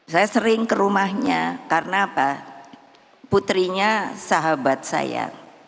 saya sering ke rumahnya karena apa putrinya sahabat saya